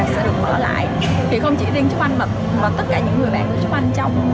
sẽ được mở lại thì không chỉ linh trúc anh mà tất cả những người bạn của trúc anh